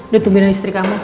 udah tungguin istri kamu